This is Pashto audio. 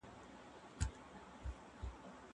زه پرون سیر وکړ!